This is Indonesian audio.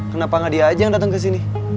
kenapa nggak dia aja yang datang ke sini